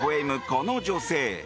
この女性。